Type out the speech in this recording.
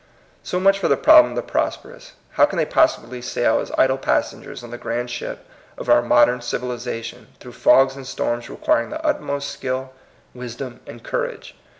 So much for the problem of the prosper ous. How can they possibly sail as idle passengers on the grand ship of our modern civilization, through fogs and storms requir ing the utmost skill, wisdom, and courage